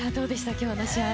今日の試合。